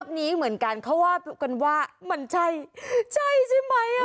รอบนี้เหมือนกันเขาว่ากันว่ามันใช่ใช่ใช่ไหมอ่ะรอบนี้อ่ะค่ะ